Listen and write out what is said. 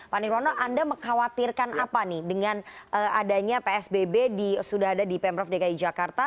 pak nirwono anda mengkhawatirkan apa nih dengan adanya psbb sudah ada di pemprov dki jakarta